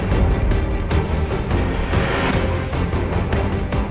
terima kasih atas dukungan anda